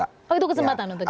pak itu kesempatan untuk kita